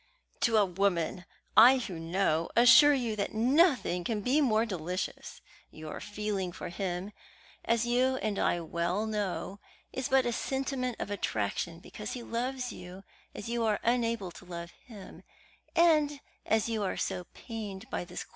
To a woman, I who know assure you that nothing can be more delicious. Your feeling for him, as you and I well know, is but a sentiment of attraction because he loves you as you are unable to love him, and as you are so pained by this quarrel, consider how much more painful it must be to him.